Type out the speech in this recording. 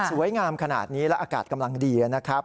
สวยงามขนาดนี้และอากาศกำลังดีนะครับ